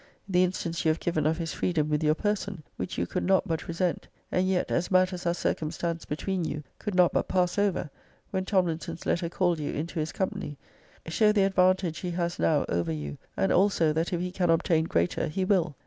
The instance you have given of his freedom with your person,* which you could not but resent; and yet, as matters are circumstanced between you, could not but pass over, when Tomlinson's letter called you into his >>> company, show the advantage he has now over you; and also, that if he can obtain greater, he will.